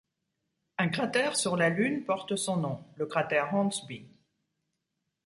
Un cratère sur la Lune porte son nom, le cratère Hornsby.